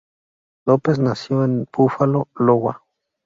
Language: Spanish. López nació en Buffalo, Iowa.